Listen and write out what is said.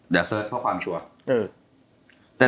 เดี๋ยวเสิร์ชเพราะความชัวร์